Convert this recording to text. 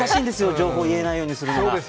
情報を入れないようにするのは。